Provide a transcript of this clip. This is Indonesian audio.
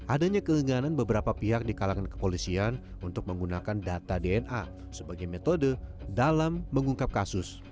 adanya keinginan beberapa pihak di kalangan kepolisian untuk menggunakan data dna sebagai metode dalam mengungkap kasus